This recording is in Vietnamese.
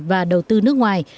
và đầu tư nước ngoài